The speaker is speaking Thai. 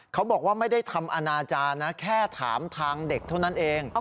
เขาบอกว่าไม่ได้ทำอนาจารย์นะแค่ถามทางเด็กเท่านั้นเอง